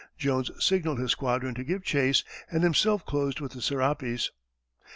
Jones signalled his squadron to give chase and himself closed with the Serapis.